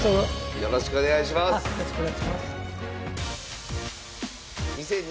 よろしくお願いします。